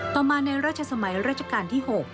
ต่อมาในราชสมัยราชการที่๖